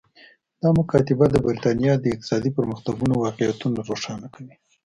دا مکاتبه د برېټانیا د اقتصادي پرمختګونو واقعیتونه روښانه کوي